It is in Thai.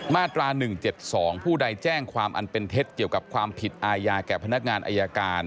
มาตรา๑๗๒ผู้ใดแจ้งความอันเป็นเท็จเกี่ยวกับความผิดอาญาแก่พนักงานอายการ